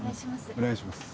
お願いします。